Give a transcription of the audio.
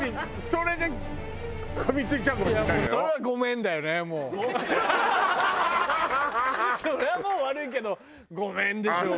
それはもう悪いけど「ごめん」でしょ。